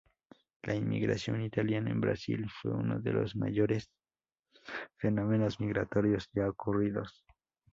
La inmigración italiana en Brasil fue uno de los mayores fenómenos migratorios ya ocurridos.